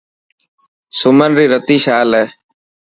سمن ري رتي شال هي.